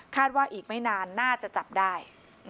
ว่าอีกไม่นานน่าจะจับได้